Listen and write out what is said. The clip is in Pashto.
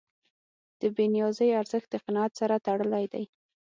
د بېنیازۍ ارزښت د قناعت سره تړلی دی.